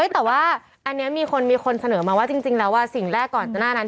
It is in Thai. แต่ว่าอันนี้มีคนมีคนเสนอมาว่าจริงแล้วสิ่งแรกก่อนหน้านั้น